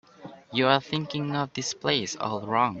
You're thinking of this place all wrong.